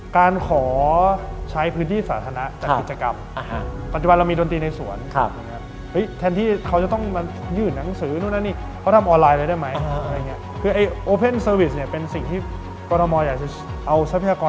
การขอใช้พื้นที่สาธารณะ